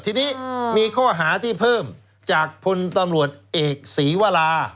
ทีนี้มีข้อหาที่เพิ่มจากพลตำรวจเอกศรีวรา